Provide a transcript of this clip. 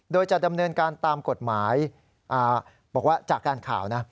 โดยจะดำเนินการตามกฎหมายบอกว่าจากการข่าวนะ